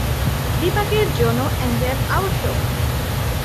বিপাকের জন্য এনজাইম আবশ্যক।